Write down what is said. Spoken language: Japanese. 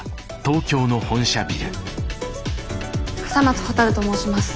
笠松ほたると申します。